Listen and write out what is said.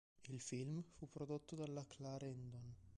Il film fu prodotto dalla Clarendon.